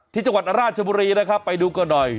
ที่จังหวัดราชบุรีนะครับไปดูกันหน่อย